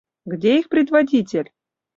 Где их предводитель?